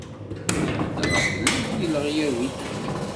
Ur heddreɣ fell-ak deg leɣyab-ik.